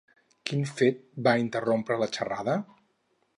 Quin fet va interrompre la xerrada?